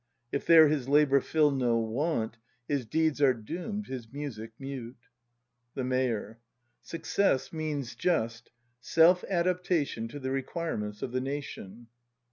If there his labour fill no want His deeds are doomed, his music mute. The Mayor. Success means just: Self adaptation To the requirements of the nation.